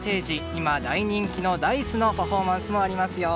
今、大人気のＤａ‐ｉＣＥのパフォーマンスもありますよ！